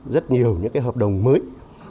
rất nhiều những cái hợp đồng mới